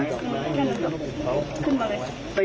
ขึ้นมาเลย